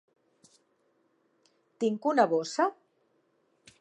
Tinc una bossa?